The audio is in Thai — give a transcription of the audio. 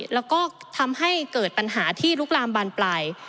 แล้วก็ทำให้เกิดปัญหาที่ลุกลามบานปลาย